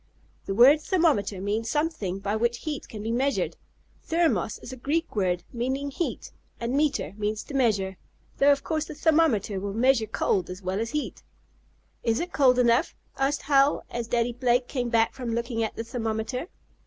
The word thermometer means something by which heat can be measured. "Thermos" is a Greek word, meaning heat, and "Meter" means to measure. Though of course a thermometer will measure cold as well as heat. "Is it cold enough?" asked Hal, as Daddy Blake came back from looking at the thermometer.